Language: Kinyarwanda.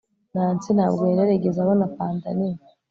nancy ntabwo yari yarigeze abona panda nini